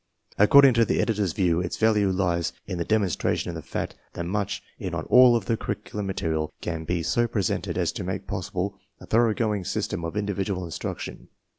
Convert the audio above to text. According to the editor's view its value lies in the demonstration of the fact that much if not all of the curricu lum material can be so presented as to make possible a thorough going system of individual instruction.